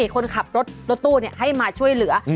คนขับรถตู้ให้มาช่วยเหลือ